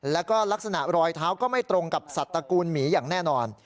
แล้วก็ลักษณะรอยเท้าก็ไม่ตรงกับสัตว์ตระกูลหมีอย่างแน่นอน